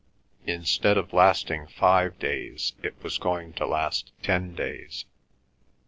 Instead of lasting five days it was going to last ten days.